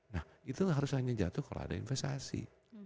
nah itu harus hanya jatuh kalau ada investasi